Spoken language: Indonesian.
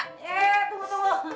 hei tunggu tunggu